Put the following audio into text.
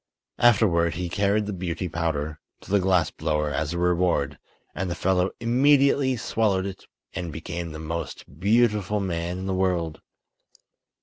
Afterward he carried the Beauty Powder to the glass blower as a reward, and the fellow immediately swallowed it and became the most beautiful man in the world.